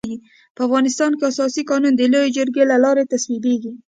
په افغانستان کي اساسي قانون د لويي جرګي د لاري تصويبيږي.